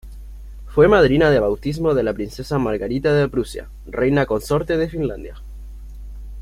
Fue madrina de bautismo de la princesa Margarita de Prusia, reina consorte de Finlandia.